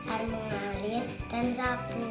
air mengalir dan sabun